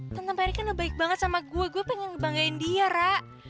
tante mary kan lo baik banget sama gue gue pengen ngebanggain dia ra